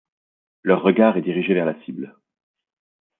Leur regard est dirigé vers la cible.